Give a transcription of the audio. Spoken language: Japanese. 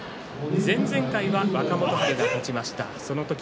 前々回は若元春が勝ちました。